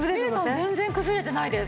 全然くずれてないです。